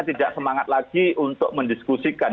tidak semangat lagi untuk mendiskusikan